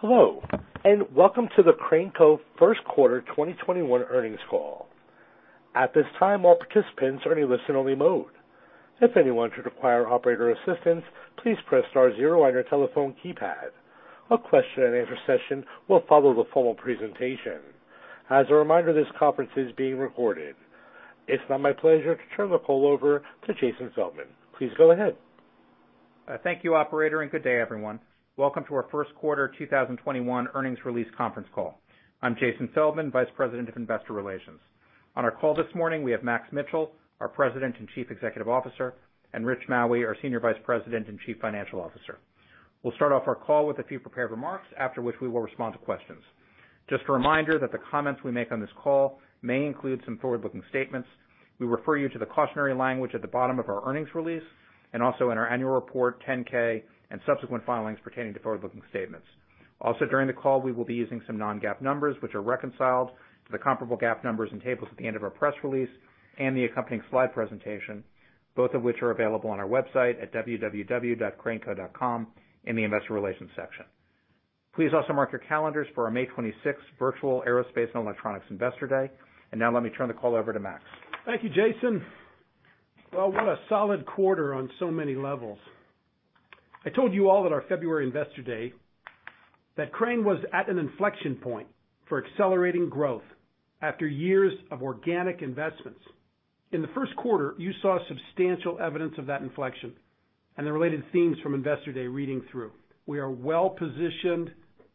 Hello. Welcome to the Crane Co. First quarter 2021 earnings call. At this time, all participants are in listen only mode. If anyone should require operator assistance, please press star zero on your telephone keypad. A question-And-answer session will follow the formal presentation. As a reminder, this conference is being recorded. It's now my pleasure to turn the call over to Jason Feldman. Please go ahead. Thank you, Operator, and good day everyone. Welcome to our first quarter 2021 earnings release conference call. I'm Jason Feldman, Vice President of Investor Relations. On our call this morning, we have Max Mitchell, our President and Chief Executive Officer, and Rich Maue, our Senior Vice President and Chief Financial Officer. We'll start off our call with a few prepared remarks, after which we will respond to questions. Just a reminder that the comments we make on this call may include some forward-looking statements. We refer you to the cautionary language at the bottom of our earnings release, and also in our annual report, 10-K, and subsequent filings pertaining to forward-looking statements. Also during the call, we will be using some non-GAAP numbers which are reconciled to the comparable GAAP numbers and tables at the end of our press release and the accompanying slide presentation, both of which are available on our website at www.craneco.com in the investor relations section. Please also mark your calendars for our May 26th virtual Aerospace & Electronics Investor Day. Now let me turn the call over to Max. Thank you, Jason. Well, what a solid quarter on so many levels. I told you all at our February Investor Day that Crane was at an inflection point for accelerating growth after years of organic investments. In the first quarter, you saw substantial evidence of that inflection and the related themes from Investor Day reading through. We are well-positioned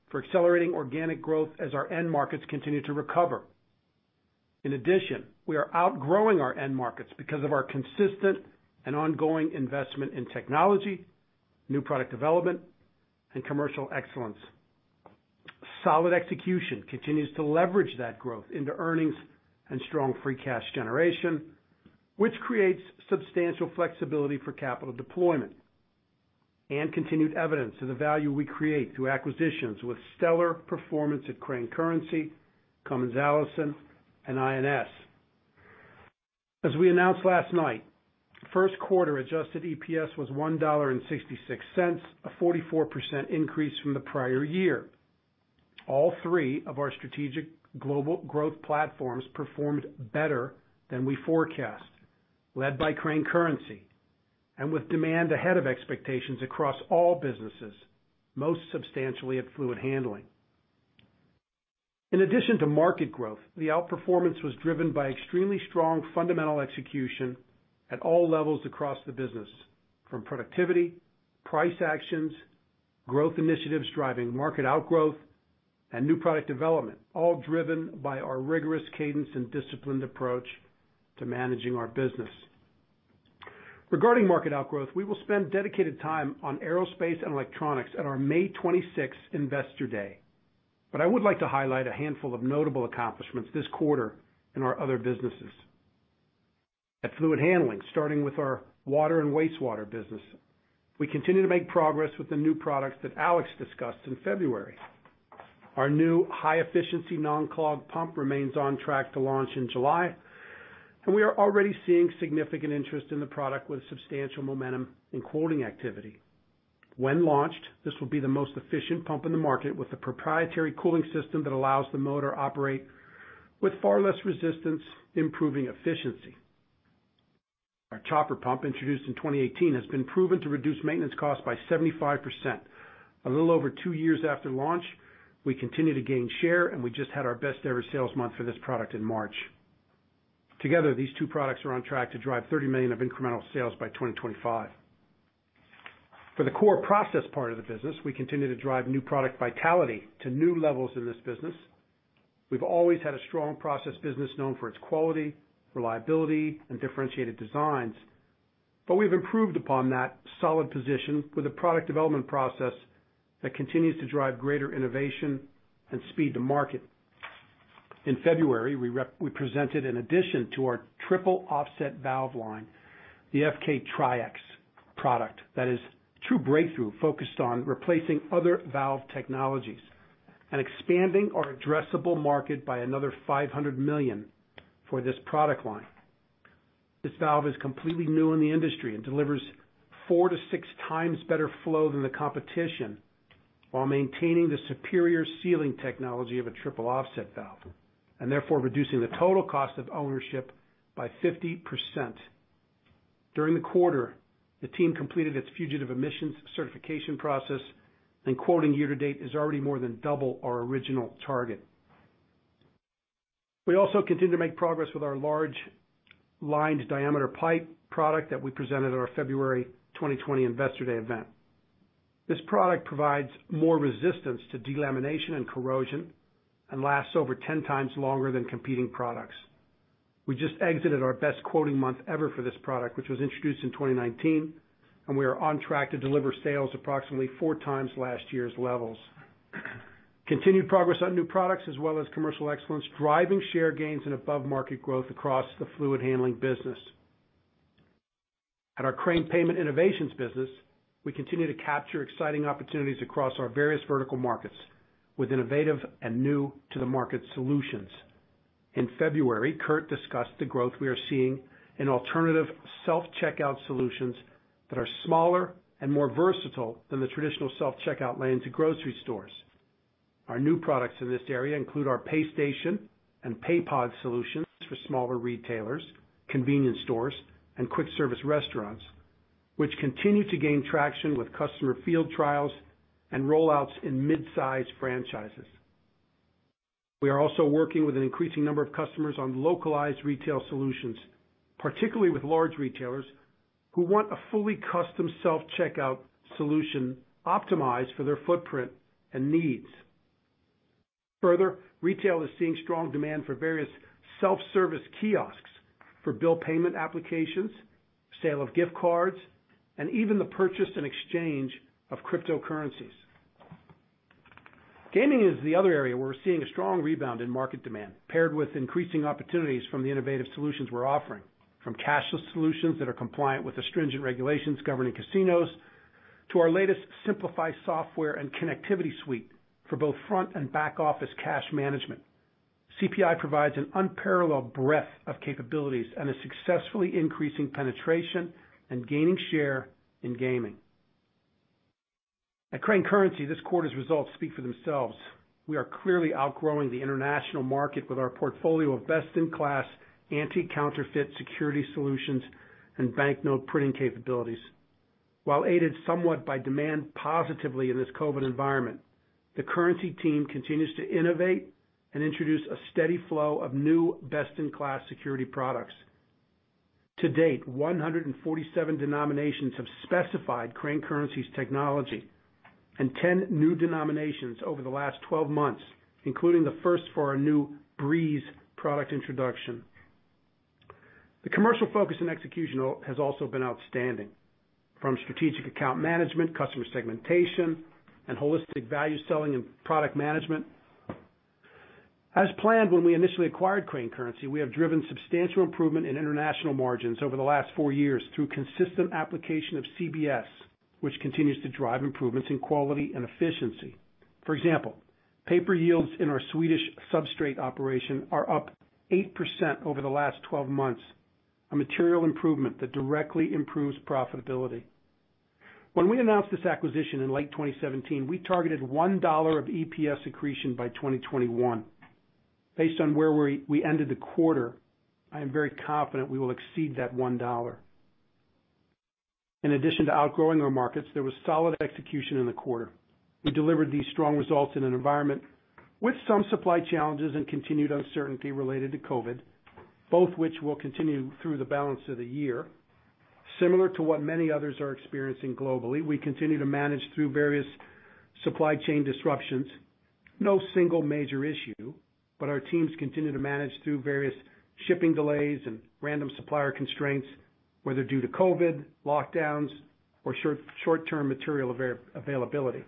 for accelerating organic growth as our end markets continue to recover. In addition, we are outgrowing our end markets because of our consistent and ongoing investment in technology, new product development, and commercial excellence. Solid execution continues to leverage that growth into earnings and strong free cash generation, which creates substantial flexibility for capital deployment and continued evidence of the value we create through acquisitions with stellar performance at Crane Currency, Cummins Allison, and I&S. As we announced last night, first quarter adjusted EPS was $1.66, a 44% increase from the prior year. All three of our strategic global growth platforms performed better than we forecast, led by Crane Currency and with demand ahead of expectations across all businesses, most substantially at Fluid Handling. In addition to market growth, the outperformance was driven by extremely strong fundamental execution at all levels across the business, from productivity, price actions, growth initiatives driving market outgrowth, and new product development, all driven by our rigorous cadence and disciplined approach to managing our business. Regarding market outgrowth, we will spend dedicated time on Aerospace & Electronics at our May 26th Investor Day. I would like to highlight a handful of notable accomplishments this quarter in our other businesses. At Fluid Handling, starting with our water and wastewater business, we continue to make progress with the new products that Alex discussed in February. Our new high-efficiency non-clog pump remains on track to launch in July, and we are already seeing significant interest in the product with substantial momentum in quoting activity. When launched, this will be the most efficient pump in the market with a proprietary cooling system that allows the motor operate with far less resistance, improving efficiency. Our chopper pump, introduced in 2018, has been proven to reduce maintenance costs by 75%. A little over two years after launch, we continue to gain share, and we just had our best ever sales month for this product in March. Together, these two products are on track to drive $30 million of incremental sales by 2025. For the core process part of the business, we continue to drive new product vitality to new levels in this business. We've always had a strong process business known for its quality, reliability, and differentiated designs. We've improved upon that solid position with a product development process that continues to drive greater innovation and speed to market. In February, we presented an addition to our triple offset valve line, the FK-TrieX product. That is a true breakthrough focused on replacing other valve technologies and expanding our addressable market by another $500 million for this product line. This valve is completely new in the industry and delivers 4x-6x better flow than the competition while maintaining the superior sealing technology of a triple offset valve, and therefore reducing the total cost of ownership by 50%. During the quarter, the team completed its fugitive emissions certification process, and quoting year-to-date is already more than double our original target. We also continue to make progress with our large lined diameter pipe product that we presented at our February 2020 Investor Day event. This product provides more resistance to delamination and corrosion and lasts over 10x longer than competing products. We just exited our best quoting month ever for this product, which was introduced in 2019, and we are on track to deliver sales approximately 4x last year's levels. Continued progress on new products as well as commercial excellence driving share gains and above-market growth across the Fluid Handling business. At our Crane Payment Innovations business, we continue to capture exciting opportunities across our various vertical markets with innovative and new-to-the-market solutions. In February, Kurt discussed the growth we are seeing in alternative self-checkout solutions that are smaller and more versatile than the traditional self-checkout lanes in grocery stores. Our new products in this area include our Pay Station Paypod solutions for smaller retailers, convenience stores, and quick-service restaurants, which continue to gain traction with customer field trials and rollouts in mid-size franchises. We are also working with an increasing number of customers on localized retail solutions, particularly with large retailers, who want a fully custom self-checkout solution optimized for their footprint and needs. Further, retail is seeing strong demand for various self-service kiosks for bill payment applications, sale of gift cards, and even the purchase and exchange of cryptocurrencies. Gaming is the other area where we're seeing a strong rebound in market demand, paired with increasing opportunities from the innovative solutions we're offering, from cashless solutions that are compliant with the stringent regulations governing casinos, to our latest Simplifi software and connectivity suite for both front and back-office cash management. CPI provides an unparalleled breadth of capabilities and is successfully increasing penetration and gaining share in gaming. At Crane Currency, this quarter's results speak for themselves. We are clearly outgrowing the international market with our portfolio of best-in-class anti-counterfeit security solutions and banknote printing capabilities. While aided somewhat by demand positively in this COVID environment, the currency team continues to innovate and introduce a steady flow of new best-in-class security products. To date, 147 denominations have specified Crane Currency's technology and 10 new denominations over the last 12 months, including the first for our new BREEZE product introduction. The commercial focus and execution has also been outstanding. From strategic account management, customer segmentation, and holistic value selling and product management. As planned when we initially acquired Crane Currency, we have driven substantial improvement in international margins over the last four years through consistent application of CBS, which continues to drive improvements in quality and efficiency. For example, paper yields in our Swedish substrate operation are up 8% over the last 12 months, a material improvement that directly improves profitability. When we announced this acquisition in late 2017, we targeted $1 of EPS accretion by 2021. Based on where we ended the quarter, I am very confident we will exceed that $1. In addition to outgrowing our markets, there was solid execution in the quarter. We delivered these strong results in an environment with some supply challenges and continued uncertainty related to COVID, both which will continue through the balance of the year. Similar to what many others are experiencing globally, we continue to manage through various supply chain disruptions. No single major issue, but our teams continue to manage through various shipping delays and random supplier constraints, whether due to COVID, lockdowns, or short-term material availability.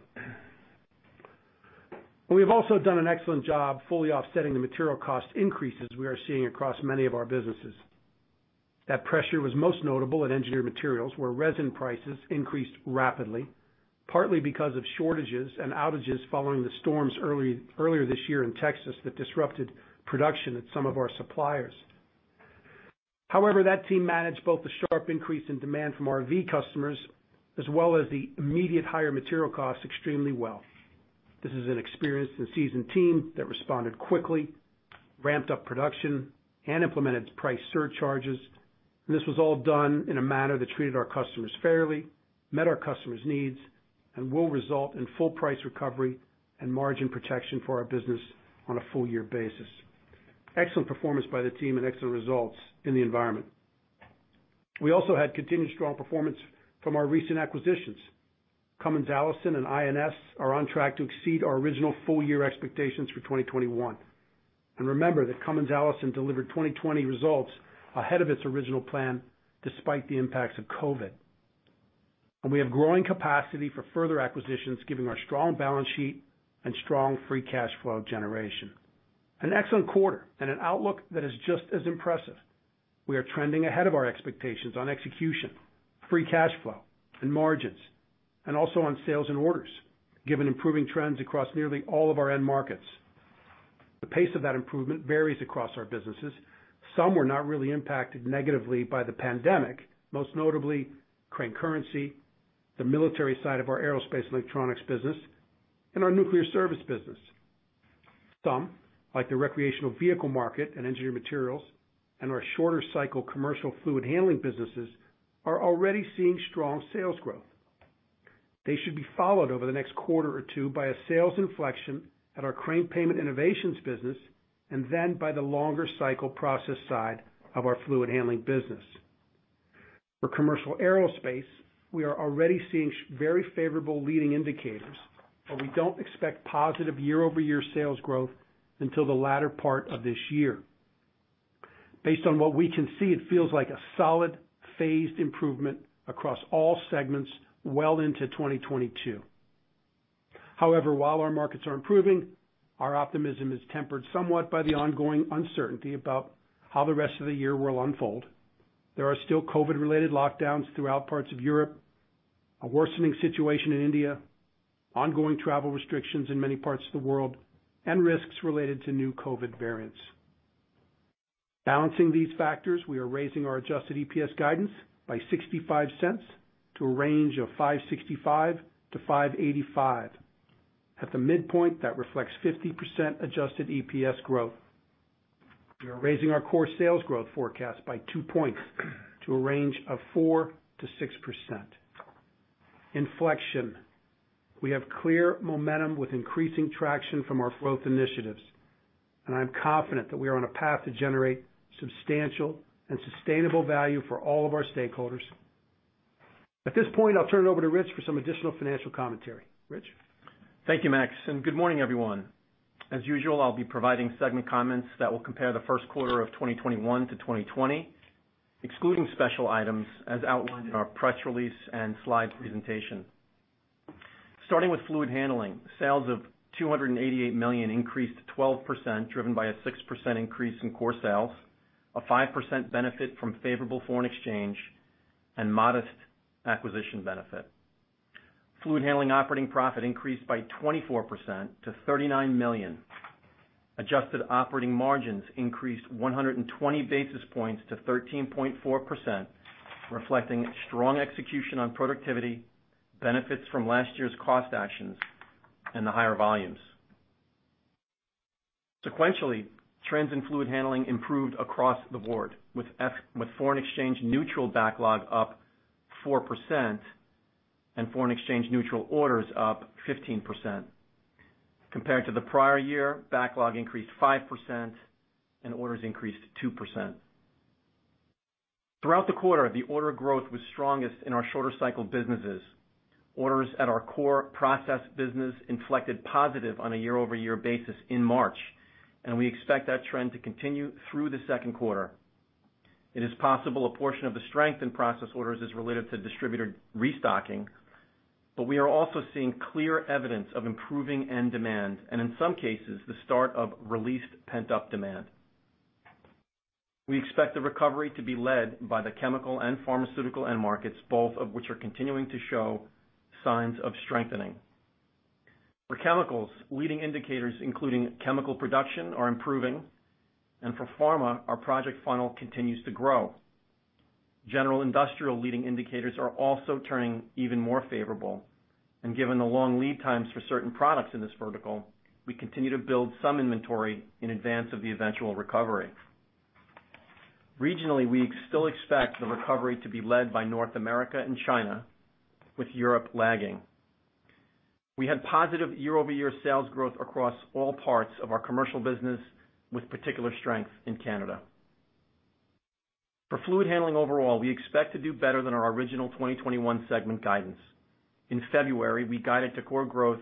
We have also done an excellent job fully offsetting the material cost increases we are seeing across many of our businesses. That pressure was most notable in Engineered Materials where resin prices increased rapidly, partly because of shortages and outages following the storms earlier this year in Texas that disrupted production at some of our suppliers. However, that team managed both the sharp increase in demand from our RV customers, as well as the immediate higher material costs extremely well. This is an experienced and seasoned team that responded quickly, ramped up production, and implemented price surcharges. This was all done in a manner that treated our customers fairly, met our customers' needs, and will result in full price recovery and margin protection for our business on a full-year basis. Excellent performance by the team and excellent results in the environment. We also had continued strong performance from our recent acquisitions. Cummins Allison and I&S are on track to exceed our original full-year expectations for 2021. Remember that Cummins Allison delivered 2020 results ahead of its original plan, despite the impacts of COVID. We have growing capacity for further acquisitions, given our strong balance sheet and strong free cash flow generation. An excellent quarter and an outlook that is just as impressive. We are trending ahead of our expectations on execution, free cash flow, and margins, and also on sales and orders, given improving trends across nearly all of our end markets. The pace of that improvement varies across our businesses. Some were not really impacted negatively by the pandemic, most notably Crane Currency, the military side of our Aerospace & Electronics business, and our nuclear service business. Some, like the recreational vehicle market and Engineered Materials, and our shorter cycle commercial Fluid Handling businesses, are already seeing strong sales growth. They should be followed over the next quarter or two by a sales inflection at our Crane Payment Innovations business, and then by the longer cycle process side of our Fluid Handling business. For commercial aerospace, we are already seeing very favorable leading indicators, we don't expect positive year-over-year sales growth until the latter part of this year. Based on what we can see, it feels like a solid, phased improvement across all segments well into 2022. While our markets are improving, our optimism is tempered somewhat by the ongoing uncertainty about how the rest of the year will unfold. There are still COVID-related lockdowns throughout parts of Europe, a worsening situation in India, ongoing travel restrictions in many parts of the world, and risks related to new COVID variants. Balancing these factors, we are raising our adjusted EPS guidance by $0.65 to a range of $5.65-$5.85. At the midpoint, that reflects 50% adjusted EPS growth. We are raising our core sales growth forecast by 2 points to a range of 4%-6%. Inflection. We have clear momentum with increasing traction from our growth initiatives, and I'm confident that we are on a path to generate substantial and sustainable value for all of our stakeholders. At this point, I'll turn it over to Rich for some additional financial commentary. Rich? Thank you, Max. Good morning, everyone. As usual, I'll be providing segment comments that will compare the first quarter of 2021-2020, excluding special items, as outlined in our press release and slide presentation. Starting with Fluid Handling. Sales of $288 million increased 12%, driven by a 6% increase in core sales, a 5% benefit from favorable foreign exchange, modest acquisition benefit. Fluid Handling operating profit increased by 24% to $39 million. Adjusted operating margins increased 120 basis points to 13.4%, reflecting strong execution on productivity, benefits from last year's cost actions, the higher volumes. Sequentially, trends in Fluid Handling improved across the board, with foreign exchange neutral backlog up 4%, foreign exchange neutral orders up 15%. Compared to the prior year, backlog increased 5%, orders increased 2%. Throughout the quarter, the order growth was strongest in our shorter cycle businesses. Orders at our core process business inflected positive on a year-over-year basis in March, and we expect that trend to continue through the second quarter. It is possible a portion of the strength in process orders is related to distributor restocking, but we are also seeing clear evidence of improving end demand, and in some cases, the start of released pent-up demand. We expect the recovery to be led by the chemical and pharmaceutical end markets, both of which are continuing to show signs of strengthening. For chemicals, leading indicators, including chemical production, are improving. For pharma, our project funnel continues to grow. General industrial leading indicators are also turning even more favorable. Given the long lead times for certain products in this vertical, we continue to build some inventory in advance of the eventual recovery. Regionally, we still expect the recovery to be led by North America and China, with Europe lagging. We had positive year-over-year sales growth across all parts of our commercial business, with particular strength in Canada. For Fluid Handling overall, we expect to do better than our original 2021 segment guidance. In February, we guided to core growth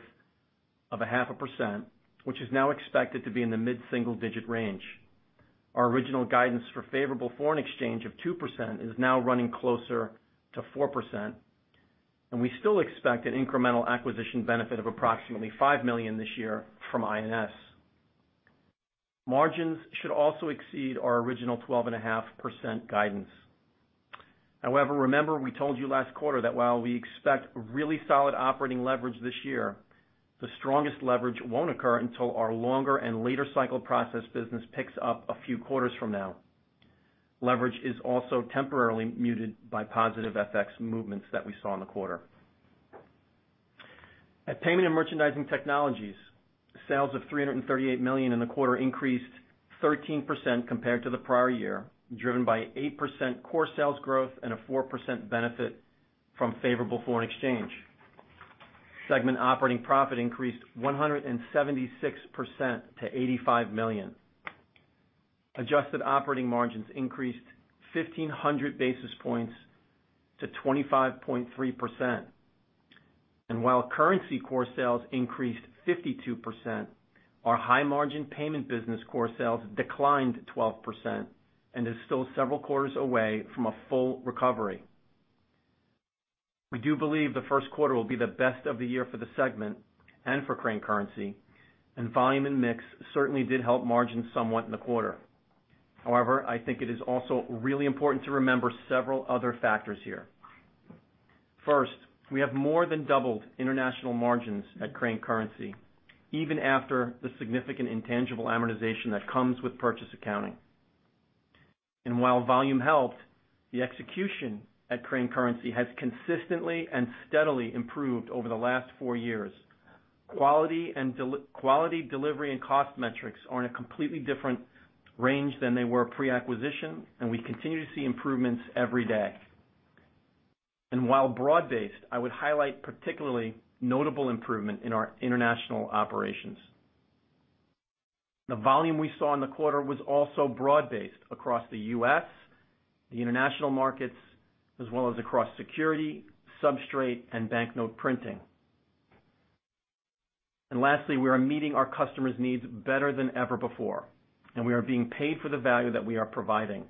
of a half a percent, which is now expected to be in the mid-single-digit range. Our original guidance for favorable foreign exchange of 2% is now running closer to 4%, and we still expect an incremental acquisition benefit of approximately $5 million this year from I&S. Margins should also exceed our original 12.5% guidance. Remember we told you last quarter that while we expect really solid operating leverage this year, the strongest leverage won't occur until our longer and later cycle process business picks up a few quarters from now. Leverage is also temporarily muted by positive FX movements that we saw in the quarter. At Payment and Merchandising Technologies, sales of $338 million in the quarter increased 13% compared to the prior year, driven by 8% core sales growth and a 4% benefit from favorable foreign exchange. Segment operating profit increased 176% to $85 million. Adjusted operating margins increased 1,500 basis points to 25.3%. While Currency core sales increased 52%, our high margin payment business core sales declined 12% and is still several quarters away from a full recovery. We do believe the first quarter will be the best of the year for the segment and for Crane Currency, and volume and mix certainly did help margins somewhat in the quarter. However, I think it is also really important to remember several other factors here. First, we have more than doubled international margins at Crane Currency, even after the significant intangible amortization that comes with purchase accounting. While volume helped, the execution at Crane Currency has consistently and steadily improved over the last four years. Quality, delivery, and cost metrics are in a completely different range than they were pre-acquisition, and we continue to see improvements every day. While broad-based, I would highlight particularly notable improvement in our international operations. The volume we saw in the quarter was also broad-based across the U.S., the international markets, as well as across security, substrate, and banknote printing. Lastly, we are meeting our customers' needs better than ever before, and we are being paid for the value that we are providing.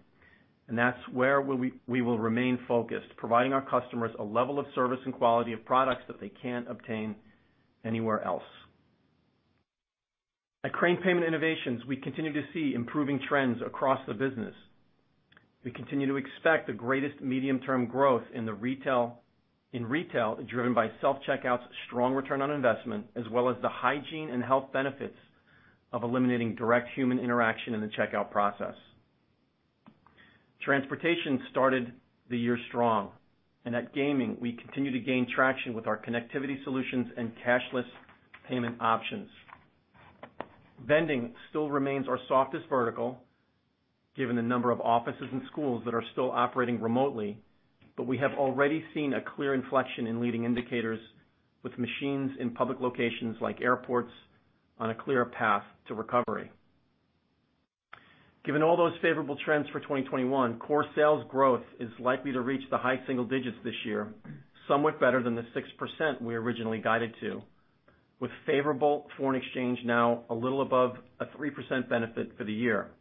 That's where we will remain focused, providing our customers a level of service and quality of products that they can't obtain anywhere else. At Crane Payment Innovations, we continue to see improving trends across the business. We continue to expect the greatest medium-term growth in retail, driven by self-checkouts, strong return on investment, as well as the hygiene and health benefits of eliminating direct human interaction in the checkout process. Transportation started the year strong, and at gaming we continue to gain traction with our connectivity solutions and cashless payment options. Vending still remains our softest vertical, given the number of offices and schools that are still operating remotely, but we have already seen a clear inflection in leading indicators with machines in public locations like airports on a clear path to recovery. Given all those favorable trends for 2021, core sales growth is likely to reach the high single digits this year, somewhat better than the 6% we originally guided to, with favorable foreign exchange now a little above a 3% benefit for the year.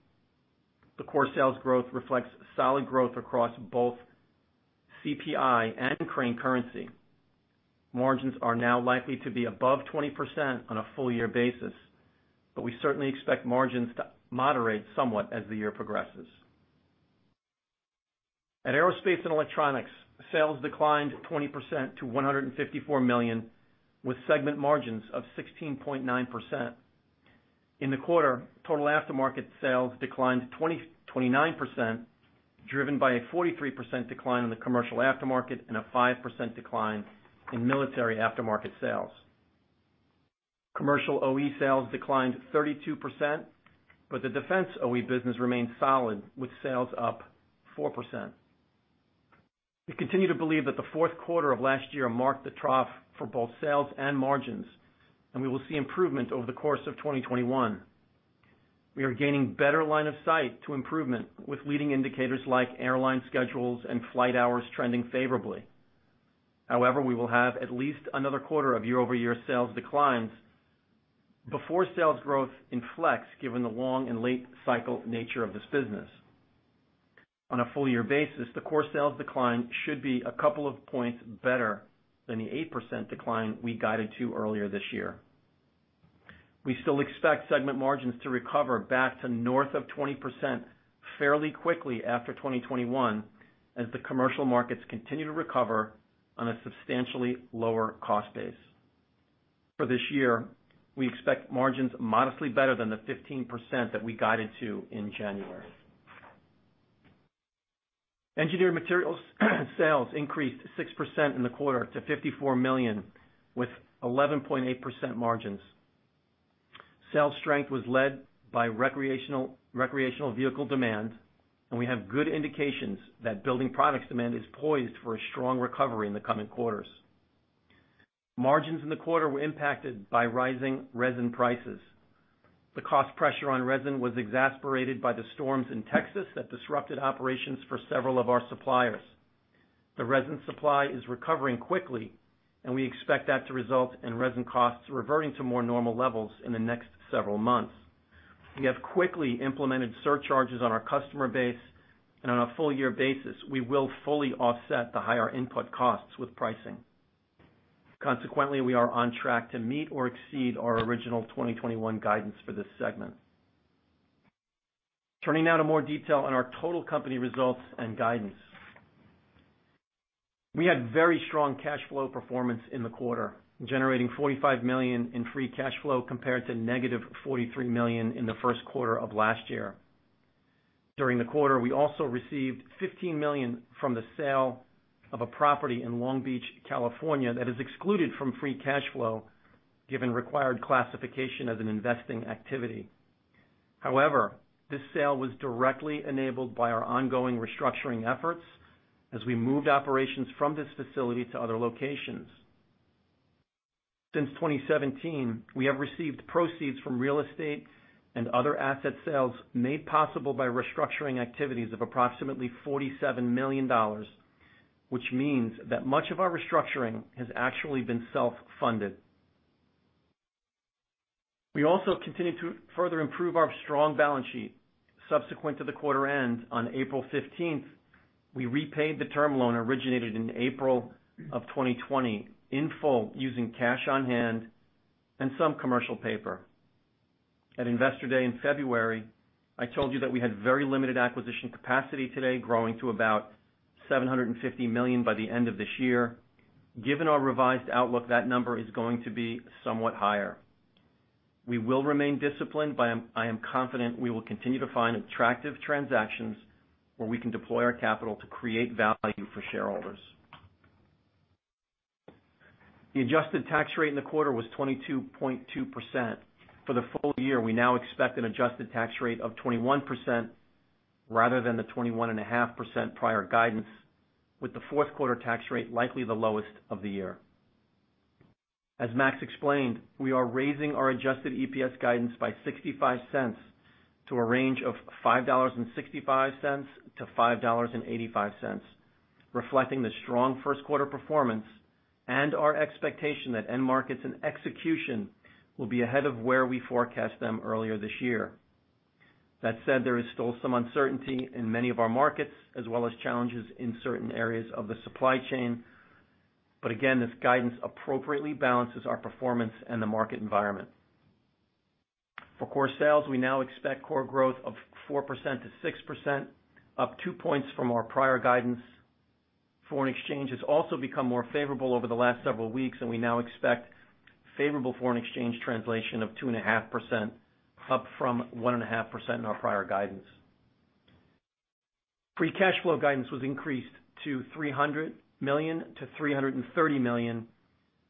The core sales growth reflects solid growth across both CPI and Crane Currency. Margins are now likely to be above 20% on a full-year basis. We certainly expect margins to moderate somewhat as the year progresses. At Aerospace & Electronics, sales declined 20% to $154 million, with segment margins of 16.9%. In the quarter, total aftermarket sales declined 29%, driven by a 43% decline in the commercial aftermarket and a 5% decline in military aftermarket sales. Commercial OE sales declined 32%. The defense OE business remained solid with sales up 4%. We continue to believe that the fourth quarter of last year marked the trough for both sales and margins, and we will see improvement over the course of 2021. We are gaining better line of sight to improvement with leading indicators like airline schedules and flight hours trending favorably. However, we will have at least another quarter of year-over-year sales declines before sales growth inflects, given the long and late cycle nature of this business. On a full-year basis, the core sales decline should be a couple of points better than the 8% decline we guided to earlier this year. We still expect segment margins to recover back to north of 20% fairly quickly after 2021, as the commercial markets continue to recover on a substantially lower cost base. For this year, we expect margins modestly better than the 15% that we guided to in January. Engineered Materials sales increased 6% in the quarter to $54 million, with 11.8% margins. Sales strength was led by recreational vehicle demand, and we have good indications that building products demand is poised for a strong recovery in the coming quarters. Margins in the quarter were impacted by rising resin prices. The cost pressure on resin was exacerbated by the storms in Texas that disrupted operations for several of our suppliers. The resin supply is recovering quickly, and we expect that to result in resin costs reverting to more normal levels in the next several months. We have quickly implemented surcharges on our customer base, and on a full-year basis, we will fully offset the higher input costs with pricing. Consequently, we are on track to meet or exceed our original 2021 guidance for this segment. Turning now to more detail on our total company results and guidance. We had very strong cash flow performance in the quarter, generating $45 million in free cash flow compared to - $43 million in the first quarter of last year. During the quarter, we also received $15 million from the sale of a property in Long Beach, California, that is excluded from free cash flow given required classification as an investing activity. However, this sale was directly enabled by our ongoing restructuring efforts as we moved operations from this facility to other locations. Since 2017, we have received proceeds from real estate and other asset sales made possible by restructuring activities of approximately $47 million, which means that much of our restructuring has actually been self-funded. We also continue to further improve our strong balance sheet. Subsequent to the quarter end, on April 15th, we repaid the term loan originated in April of 2020 in full, using cash on hand and some commercial paper. At Investor Day in February, I told you that we had very limited acquisition capacity today, growing to about $750 million by the end of this year. Given our revised outlook, that number is going to be somewhat higher. We will remain disciplined, but I am confident we will continue to find attractive transactions where we can deploy our capital to create value for shareholders. The adjusted tax rate in the quarter was 22.2%. For the full-year, we now expect an adjusted tax rate of 21% rather than the 21.5% prior guidance, with the fourth quarter tax rate likely the lowest of the year. As Max explained, we are raising our adjusted EPS guidance by $0.65 to a range of $5.65-$5.85, reflecting the strong first quarter performance and our expectation that end markets and execution will be ahead of where we forecast them earlier this year. That said, there is still some uncertainty in many of our markets as well as challenges in certain areas of the supply chain. Again, this guidance appropriately balances our performance and the market environment. For core sales, we now expect core growth of 4%-6%, up two points from our prior guidance. Foreign exchange has also become more favorable over the last several weeks, and we now expect favorable foreign exchange translation of 2.5%, up from 1.5% in our prior guidance. Free cash flow guidance was increased to $300 million-$330 million,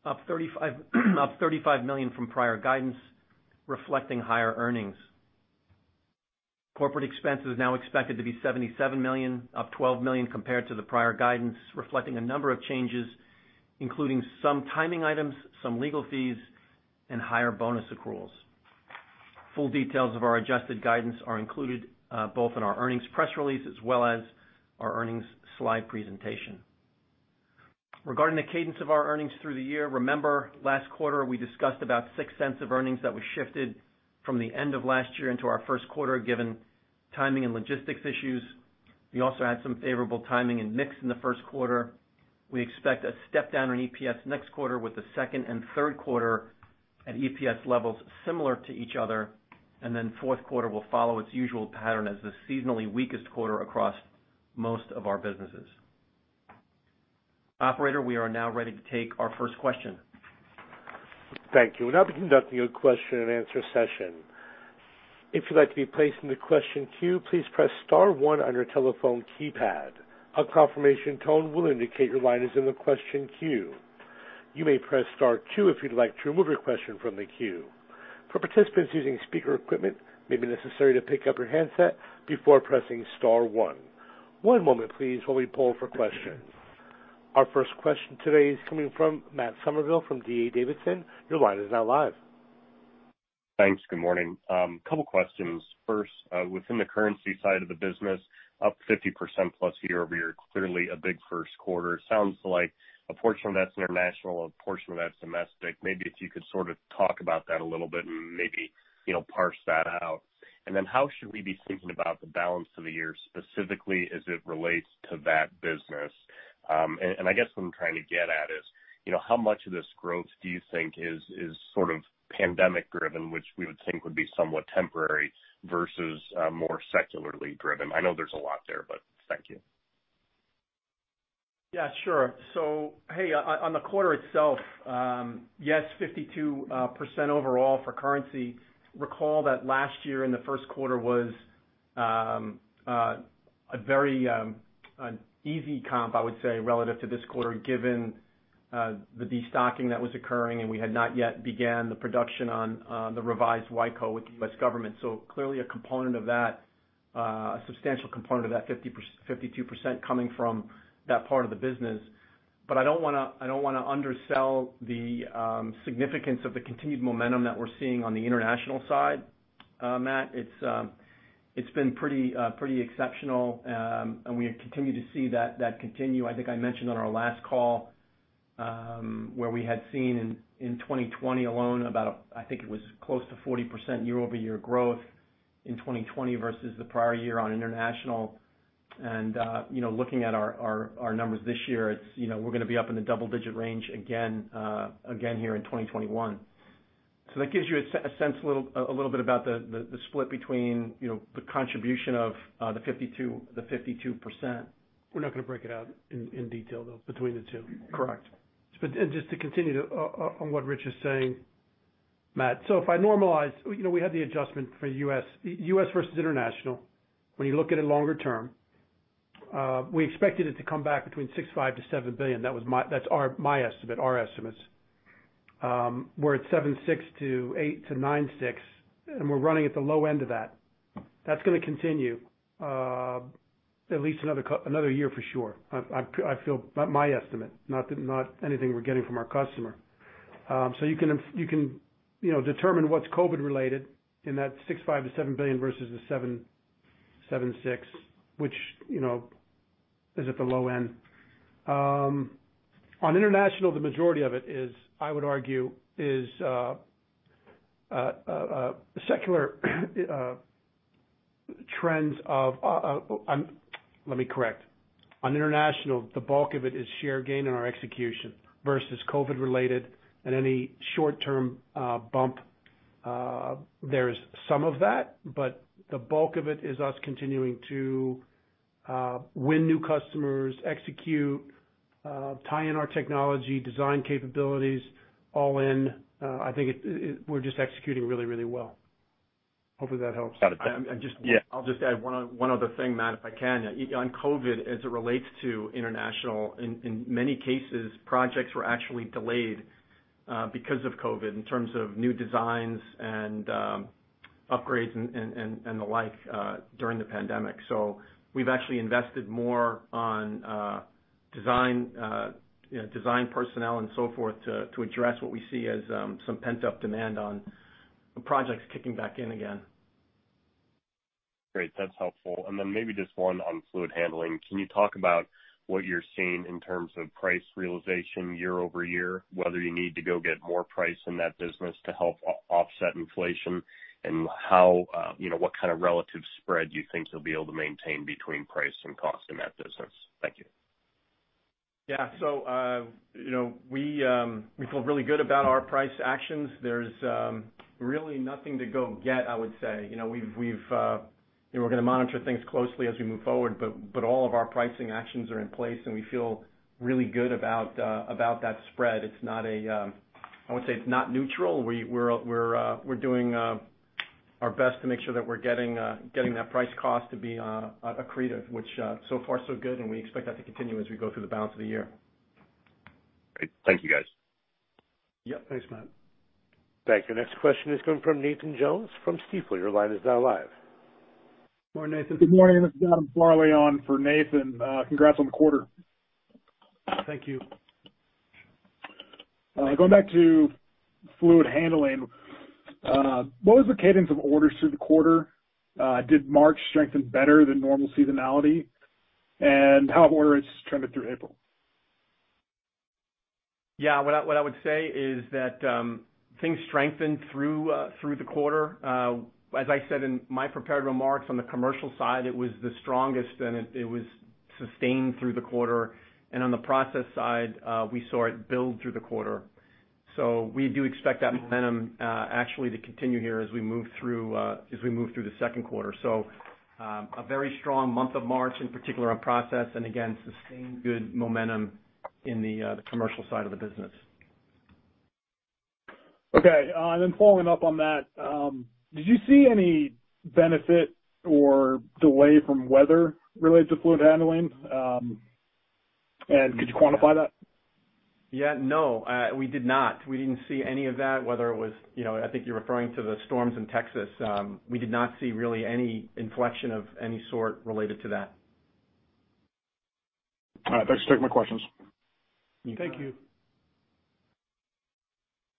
up $35 million from prior guidance, reflecting higher earnings. Corporate expense is now expected to be $77 million, up $12 million compared to the prior guidance, reflecting a number of changes, including some timing items, some legal fees, and higher bonus accruals. Full details of our adjusted guidance are included both in our earnings press release as well as our earnings slide presentation. Regarding the cadence of our earnings through the year, remember last quarter we discussed about $0.06 of earnings that were shifted from the end of last year into our first quarter, given timing and logistics issues. We also had some favorable timing and mix in the first quarter. We expect a step down in EPS next quarter with the second and third quarter at EPS levels similar to each other, and then fourth quarter will follow its usual pattern as the seasonally weakest quarter across most of our businesses. Operator, we are now ready to take our first question. Thank you. We'll now be conducting a question-and-answer session. If you'd like to be placed in the question queue, please press star one on your telephone keypad a confirmation tone will indicate your line is in the question queue. You may press star two if you'd like to remove your question from the queue. For participants, using speaker equipment may be necessary to pick up your handset before pressing star one. One moment please while we pull for question. Our first question today is coming from Matt Summerville from D.A. Davidson. Your line is now live. Thanks. Good morning. Couple questions. Within the Crane Currency side of the business, up 50%+ year-over-year, clearly a big first quarter. Sounds like a portion of that's international, a portion of that's domestic. If you could sort of talk about that a little bit and parse that out. How should we be thinking about the balance of the year, specifically as it relates to that business? I guess what I'm trying to get at is, how much of this growth do you think is sort of pandemic driven, which we would think would be somewhat temporary versus more secularly driven? I know there's a lot there, thank you. Yeah, sure. On the quarter itself, yes, 52% overall for Crane Currency. Recall that last year in the first quarter was an easy comp, I would say, relative to this quarter, given the de-stocking that was occurring, and we had not yet began the production on the revised WICO with the U.S. government. Clearly a substantial component of that 52% coming from that part of the business. I don't want to undersell the significance of the continued momentum that we're seeing on the international side, Matt. It's been pretty exceptional, and we continue to see that continue. I think I mentioned on our last call, where we had seen in 2020 alone about, I think it was close to 40% year-over-year growth in 2020 versus the prior year on international. Looking at our numbers this year, we're going to be up in the double-digit range again here in 2021. That gives you a sense a little bit about the split between the contribution of the 52%. We're not going to break it out in detail, though, between the two. Correct. Just to continue on what Rich is saying, Matt. If I normalize, we had the adjustment for U.S. versus international. When you look at it longer-term, we expected it to come back between $6.5 billion-$7 billion. That's my estimate, our estimates. We're at $7.6 billion to $8 billion to $9.6 billion, and we're running at the low end of that. That's going to continue at least another year for sure. I feel my estimate, not anything we're getting from our customer. You can determine what's COVID related in that $6.5 billion-$7 billion versus the $7.6 billion, which is at the low end. Let me correct. On international, the bulk of it is share gain in our execution versus COVID related and any short-term bump. There is some of that, the bulk of it is us continuing to win new customers, execute, tie in our technology, design capabilities all in. I think we're just executing really well. Hopefully that helps. Got it. I'll just add one other thing, Matt, if I can. On COVID, as it relates to international, in many cases, projects were actually delayed because of COVID in terms of new designs and upgrades and the like during the pandemic. We've actually invested more on design personnel and so forth to address what we see as some pent-up demand on projects kicking back in again. Great. That's helpful. Maybe just one on Fluid Handling. Can you talk about what you're seeing in terms of price realization year-over-year, whether you need to go get more price in that business to help offset inflation and what kind of relative spread you think you'll be able to maintain between price and cost in that business? Thank you. We feel really good about our price actions. There's really nothing to go get, I would say. We're going to monitor things closely as we move forward, but all of our pricing actions are in place, and we feel really good about that spread. I would say it's not neutral. We're doing our best to make sure that we're getting that price cost to be accretive, which so far, so good, and we expect that to continue as we go through the balance of the year. Great. Thank you, guys. Yep. Thanks, Matt. Thank you. Next question is coming from Nathan Jones from Stifel. Morning, Nathan. Good morning. This is Adam Farley on for Nathan. Congrats on the quarter. Thank you. Going back to Fluid Handling, what was the cadence of orders through the quarter? Did March strengthen better than normal seasonality? How have orders trended through April? Yeah, what I would say is that things strengthened through the quarter. As I said in my prepared remarks, on the commercial side, it was the strongest, and it was sustained through the quarter. On the process side, we saw it build through the quarter. We do expect that momentum actually to continue here as we move through the second quarter. A very strong month of March, in particular on process, and again, sustained good momentum in the commercial side of the business. Okay. following up on that, did you see any benefit or delay from weather related to Fluid Handling? Could you quantify that? Yeah, no, we did not. We didn't see any of that, whether it was, I think you're referring to the storms in Texas. We did not see really any inflection of any sort related to that. All right, those are my questions. Thank you.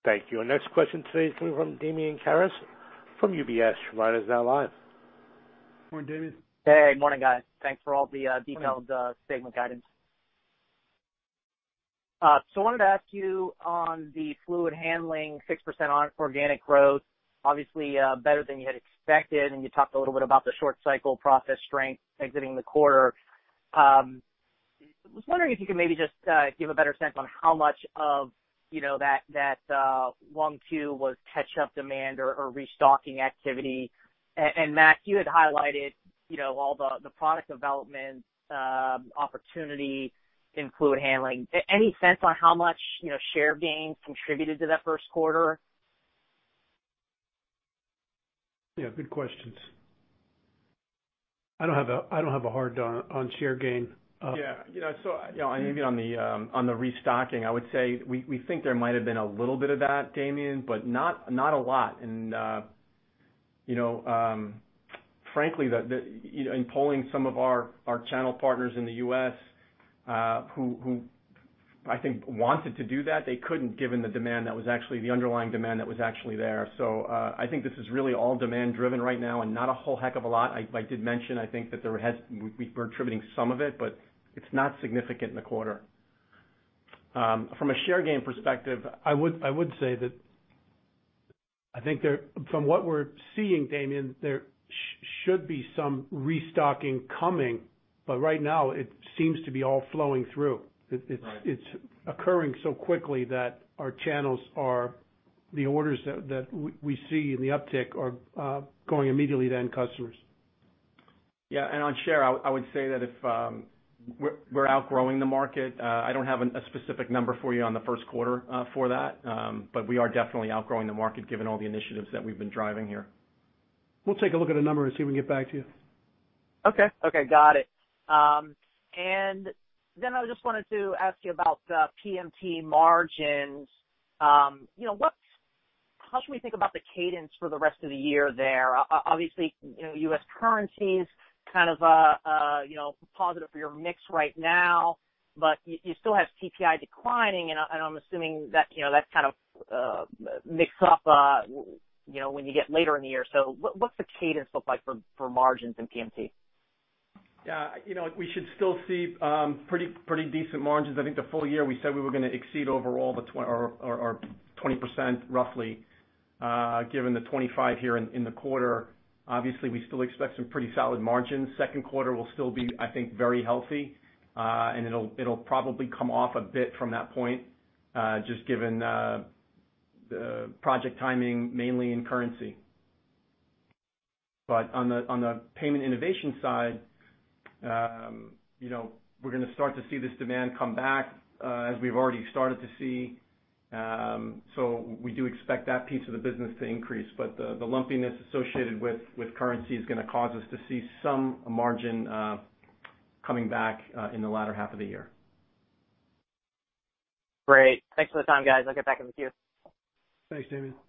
Thank you. Our next question today is coming from Damian Karas from UBS. Your line is now live. Morning, Damian. Hey, morning, guys. Thanks for all the detailed segment guidance. I wanted to ask you on the Fluid Handling, 6% organic growth, obviously, better than you had expected, and you talked a little bit about the short cycle process strength exiting the quarter. I was wondering if you could maybe just give a better sense on how much of that 1%-2% was catch-up demand or restocking activity. Max, you had highlighted all the product development opportunity in Fluid Handling. Any sense on how much share gains contributed to that first quarter? Yeah, good questions. I don't have a hard data on share gain. Yeah. Maybe on the restocking, I would say, we think there might've been a little bit of that, Damian, but not a lot. Frankly, in polling some of our channel partners in the U.S. who I think wanted to do that, they couldn't given the underlying demand that was actually there. I think this is really all demand driven right now and not a whole heck of a lot. I did mention, I think that we're attributing some of it, but it's not significant in the quarter. From a share gain perspective- I would say that I think from what we're seeing, Damian, there should be some restocking coming, but right now it seems to be all flowing through. Right. It's occurring so quickly that our channels are the orders that we see in the uptick are going immediately to end customers. Yeah. On share, I would say that if we're outgrowing the market, I don't have a specific number for you on the first quarter for that. We are definitely outgrowing the market given all the initiatives that we've been driving here. We'll take a look at the numbers and see if we can get back to you. Okay. Got it. I just wanted to ask you about the PMT margins. How should we think about the cadence for the rest of the year there? Obviously, U.S. currency's kind of a positive for your mix right now, but you still have CPI declining, and I'm assuming that kind of mix up when you get later in the year. What's the cadence look like for margins in PMT? Yeah. We should still see pretty decent margins. I think the full-year we said we were going to exceed overall or 20% roughly. Given the 25 here in the quarter, obviously we still expect some pretty solid margins. Second quarter will still be, I think, very healthy. It'll probably come off a bit from that point, just given the project timing mainly in Crane Currency. On the Payment Innovation side, we're going to start to see this demand come back, as we've already started to see. We do expect that piece of the business to increase, but the lumpiness associated with Crane Currency is going to cause us to see some margin coming back in the latter half of the year. Great. Thanks for the time, guys. I'll get back in the queue. Thanks, Damian. Thank you.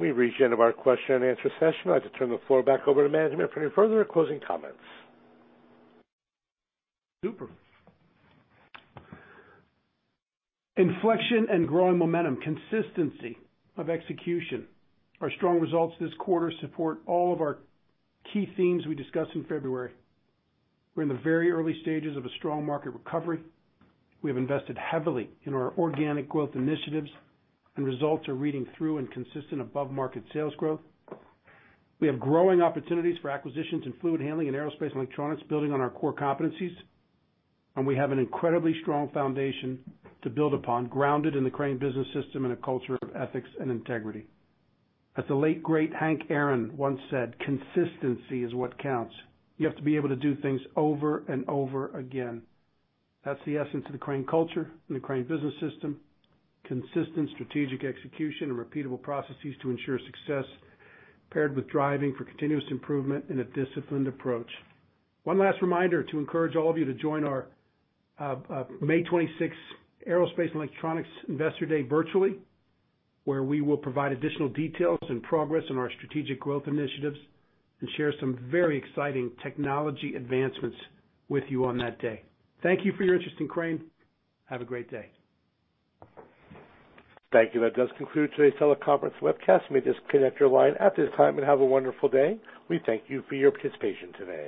We've reached the end of our question-and-answer session. I'd like to turn the floor back over to management for any further closing comments. Super. Inflection and growing momentum, consistency of execution. Our strong results this quarter support all of our key themes we discussed in February. We're in the very early stages of a strong market recovery. We have invested heavily in our organic growth initiatives, and results are reading through in consistent above-market sales growth. We have growing opportunities for acquisitions in Fluid Handling and Aerospace & Electronics, building on our core competencies. We have an incredibly strong foundation to build upon, grounded in the Crane Business System and a culture of ethics and integrity. As the late great Hank Aaron once said, Consistency is what counts. You have to be able to do things over and over again. That's the essence of the Crane culture and the Crane Business System, consistent strategic execution and repeatable processes to ensure success, paired with driving for continuous improvement and a disciplined approach. One last reminder to encourage all of you to join our May 26th Aerospace & Electronics Investor Day virtually, where we will provide additional details and progress on our strategic growth initiatives and share some very exciting technology advancements with you on that day. Thank you for your interest in Crane. Have a great day. Thank you. That does conclude today's teleconference webcast. You may disconnect your line at this time, and have a wonderful day. We thank you for your participation today.